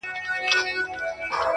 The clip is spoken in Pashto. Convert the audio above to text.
• هو رشتيا.